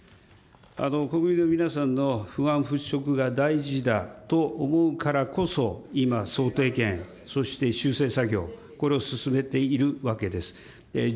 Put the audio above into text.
国民の皆さんの不安払拭が大事だと思うからこそ、今、総点検、そして修正作業、これを進めているわけです。